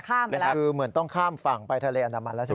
คือเหมือนต้องข้ามฝั่งไปทะเลอนามันแล้วใช่ไหม